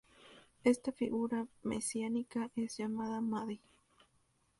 Esta figura mesiánica es llamada Mahdi.